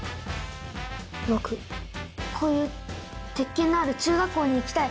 僕こういう鉄研のある中学校に行きたい。